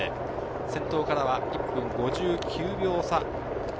先頭からは１分５９秒差。